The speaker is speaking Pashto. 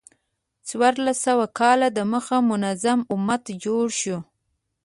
څوارلس سوه کاله د مخه منظم امت جوړ شو.